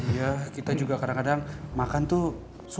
iya kita juga kadang kadang makan tuh cukup